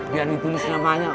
biar ditulis namanya